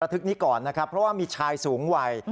ทึกนี้ก่อนนะครับเพราะว่ามีชายสูงวัย